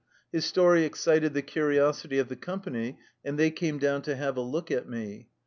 His story excited the curi osity of the company, and they came down to have a look at me.